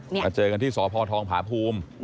มาเจอกันที่สพทองผาภูมิ